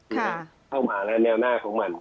คือเข้ามาแล้วแนวหน้าของมัน